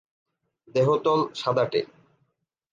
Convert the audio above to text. দেহতল সাদাটে।